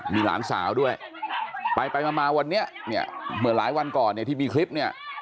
มีหลานสาวด้วยไปไปมามาวันนี้เนี่ยเหมือนหลายวันก่อนเนี่ยที่มีคลิปเนี่ย